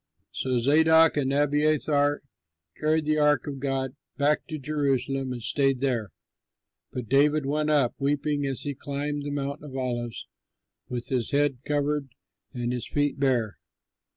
'" So Zadok and Abiathar carried the ark of God back to Jerusalem and stayed there. But David went up, weeping as he climbed the Mount of Olives with his head covered and his feet bare.